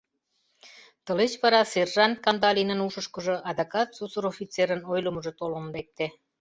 Тылеч вара сержант Кандалинын ушышкыжо адакат сусыр офицерын ойлымыжо толын лекте.